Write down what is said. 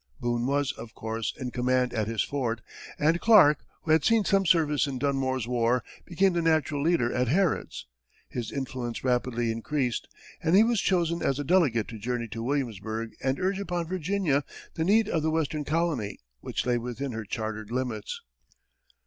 Boone was, of course, in command at his fort, and Clark, who had seen some service in Dunmore's war, became the natural leader at Harrod's. His influence rapidly increased, and he was chosen as a delegate to journey to Williamsburg and urge upon Virginia the needs of the western colony, which lay within her chartered limits.